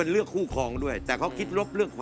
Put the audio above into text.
เอ้าแล้ว